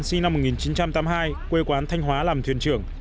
sinh năm một nghìn chín trăm tám mươi hai quê quán thanh hóa làm thuyền trưởng